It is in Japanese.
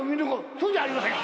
そうじゃありません。